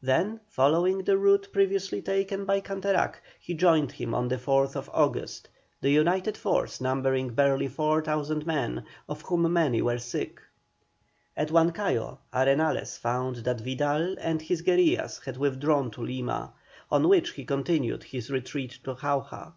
Then following the route previously taken by Canterac, he joined him on the 4th August, the united force numbering barely 4,000 men, of whom many were sick. At Huancayo Arenales found that Vidal and his guerillas had withdrawn to Lima, on which he continued his retreat to Jauja.